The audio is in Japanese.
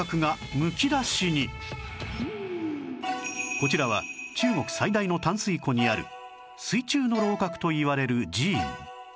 こちらは中国最大の淡水湖にある「水中の楼閣」といわれる寺院